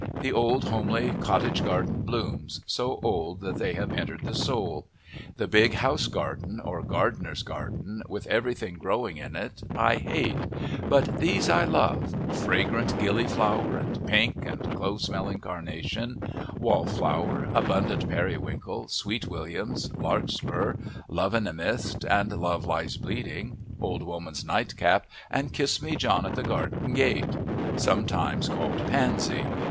The old, homely, cottage garden blooms, so old that they have entered the soul. The big house garden, or gardener's garden, with everything growing in it I hate, but these I love fragrant gillyflower and pink and clove smelling carnation; wallflower, abundant periwinkle, sweet william, larkspur, love in a mist, and love lies bleeding, old woman's nightcap, and kiss me John at the garden gate, some times called pansy.